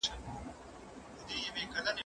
زه پرون درسونه تيار کړي.